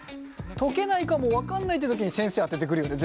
解けないかも分かんないってときに先生当ててくるよね